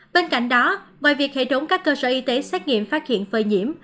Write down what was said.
bên cạnh đó ngoài việc hệ thống các cơ sở y tế xét nghiệm phát hiện phơi nhiễm